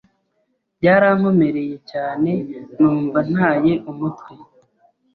Byarankomereye cyane numva ntaye umutwe ,